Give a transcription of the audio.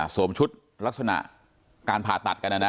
สวมชุดลักษณะการผ่าตัดกันนั้นนะ